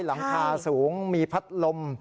หลังคาสูงมีพัดลม